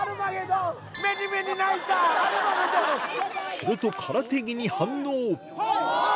すると空手着に反応はい！